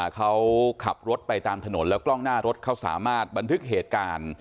เขาขับรถไปตามถนนแล้วกล้องหน้ารถเขาสามารถบันทึกเหตุการณ์